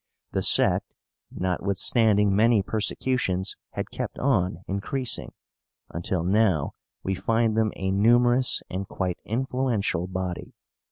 The sect, notwithstanding many persecutions, had kept on increasing, until now we find them a numerous and quite influential body.